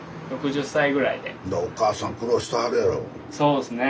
そうですね。